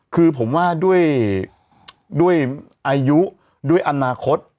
คือผมว่าด้วยอายุด้วยอนาคต